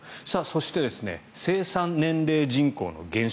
そして、生産年齢人口の減少。